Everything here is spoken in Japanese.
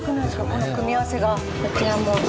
この組み合わせが。